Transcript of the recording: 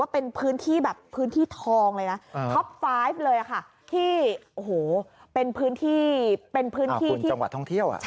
พลุธจังหวัดท่องเที่ยว